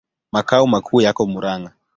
Makao makuu yako Murang'a.